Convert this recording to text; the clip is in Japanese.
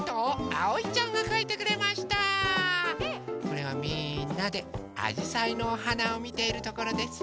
これはみんなであじさいのおはなをみているところです。